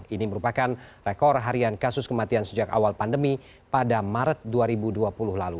ini merupakan rekor harian kasus kematian sejak awal pandemi pada maret dua ribu dua puluh lalu